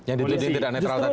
yang dididik tidak netral tadi